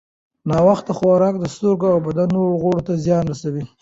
ناوخته خوراک د سترګو او بدن نورو غړو ته زیان رسوي.